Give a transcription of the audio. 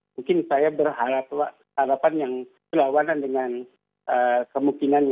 mungkin saya berharapan yang berlawanan dengan kemungkinannya